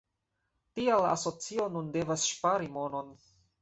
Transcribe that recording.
Tial la asocio nun devas ŝpari monon.